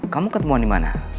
kamu ketemuan dimana